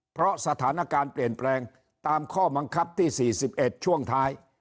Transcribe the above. เพราะสถานการณ์เปลี่ยนแปลงตามข้อบังคับที่๔๑ช่วงท้าย